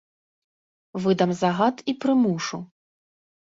Выдам загад і прымушу.